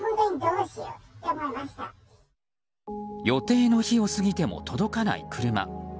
予定の日を過ぎても届かない車。